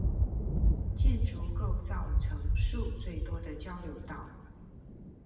建築構造層數最多的交流道